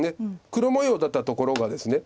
黒模様だったところがですね